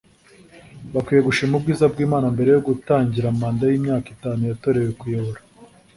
bakwiye gushima ubwiza bw’Imana mbere yo gutangira manda y’imyaka itanu yatorewe kuyobora